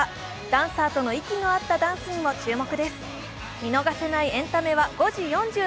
ダンサーとの息の合ったダンスにも注目です。